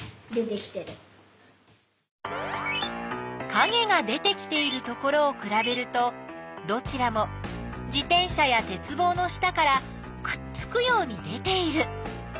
かげが出てきているところをくらべるとどちらも自転車やてつぼうの下からくっつくように出ている！